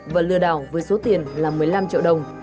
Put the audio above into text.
và lừa đảo với số tiền làm mệt